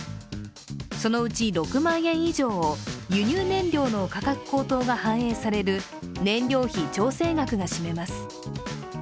そのうち６万円以上を輸入燃料の価格高騰が反映される燃料費調整額が占めます。